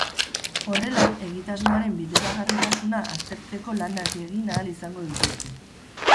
Horrela, egitasmoaren bideragarritasuna aztertzeko lanak egin ahal izango dituzte.